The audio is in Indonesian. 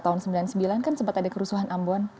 tahun sembilan puluh sembilan kan sempat ada kerusuhan ambon